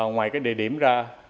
ngoài địa điểm ra